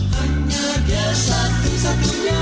hanya dia satu satunya